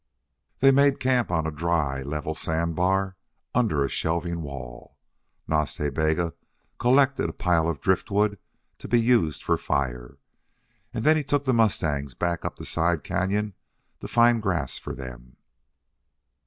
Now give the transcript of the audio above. They made camp on a dry, level sand bar under a shelving wall. Nas Ta Bega collected a pile of driftwood to be used for fire, and then he took the mustangs back up the side cañon to find grass for them.